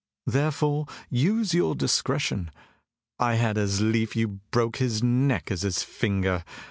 Therefore use your discretion. I had as lief you broke his neck as his finger.